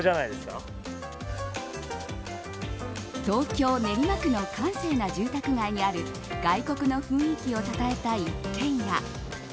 東京、練馬区の閑静な住宅街にある外国の雰囲気をたたえた一軒家。